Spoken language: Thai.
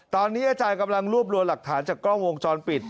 ตอนนี้อาจารย์กำลังรวบรวมหลักฐานจากกล้องวงจรปิด